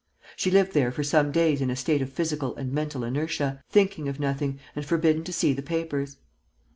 She lived there for some days in a state of physical and mental inertia, thinking of nothing and forbidden to see the papers.